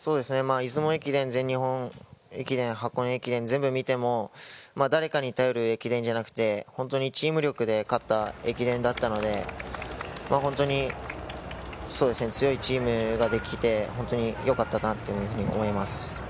出雲駅伝、全日本、箱根駅伝、全部見ても誰かに頼る駅伝ではなくてチーム力で勝った駅伝だったので、強いチームができて本当によかったなと思います。